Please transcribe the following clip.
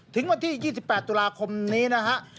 ถึงวันที่๒๘ตุลาคมนี้นะฮะ